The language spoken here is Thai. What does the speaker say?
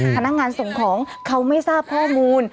พนักงานส่งของเขาไม่ทราบข้อมูล